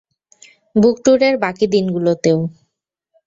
বুক ট্যুরের বাকি দিনগুলোতেও।